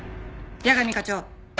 矢上課長。